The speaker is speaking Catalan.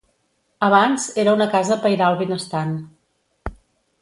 Abans era una casa pairal benestant.